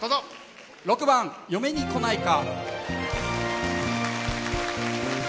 ６番「嫁に来ないか」。